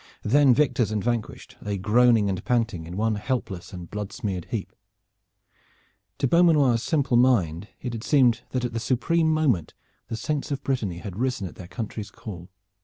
Then victors and vanquished lay groaning and panting in one helpless and blood smeared heap. To Beaumanoir's simple mind it had seemed that at the supreme moment the Saints of Brittany had risen at their country's call.